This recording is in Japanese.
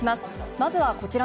まずはこちら。